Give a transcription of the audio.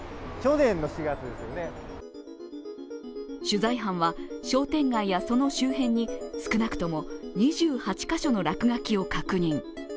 取材班は、商店街やその周辺に少なくとも２８カ所の落書きを確認。